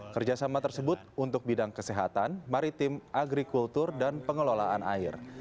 kerjasama tersebut untuk bidang kesehatan maritim agrikultur dan pengelolaan air